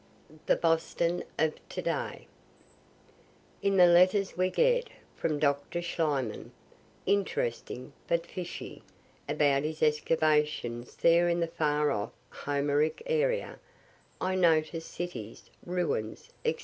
THE BOSTON OF TO DAY In the letters we get from Dr. Schliemann (interesting but fishy) about his excavations there in the far off Homeric area, I notice cities, ruins, &c.